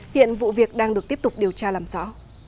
hiện vụ việc đang được tiếp tục điều tra làm rõ